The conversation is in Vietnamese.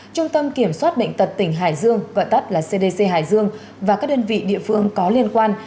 trung tâm kiểm soát bệnh tật tỉnh hải dương gọi tắt là cdc hải dương và các đơn vị địa phương có liên quan